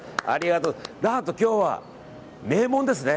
何と今日は名門ですね。